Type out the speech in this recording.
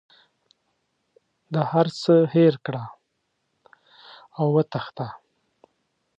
د هر څه هېر کړه او وتښته.